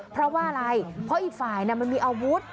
เพราะว่าอะไรเพราะอีกฝ่ายมันมีอาวุธ